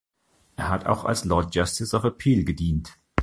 Er hat auch als Lord Justice of Appeal gedient.